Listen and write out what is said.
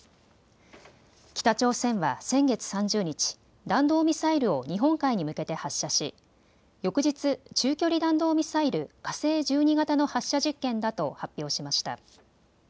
北朝鮮は先月３０日、弾道ミサイルを日本海に向けて発射し翌日、中距離弾道ミサイル火星１２型の発射実験だと発表しました。